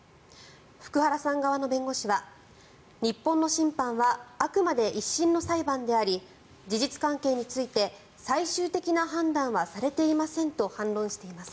福原さん側の弁護士は日本の審判はあくまで１審の裁判であり事実関係について最終的な判断はされていませんと反論しています。